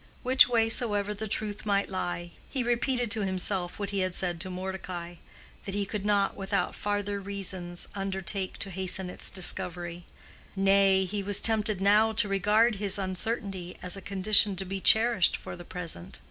Which way soever the truth might lie, he repeated to himself what he had said to Mordecai—that he could not without farther reasons undertake to hasten its discovery. Nay, he was tempted now to regard his uncertainty as a condition to be cherished for the present.